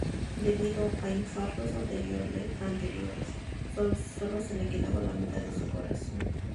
Debido a infartos anteriores solo le quedaba la mitad de su corazón.